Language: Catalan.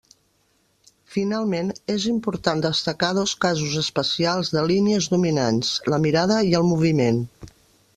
Finalment, és important destacar dos casos especials de línies dominants: la mirada i el moviment.